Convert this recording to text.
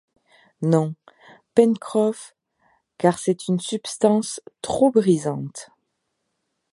Non, Pencroff, car c’est une substance trop brisante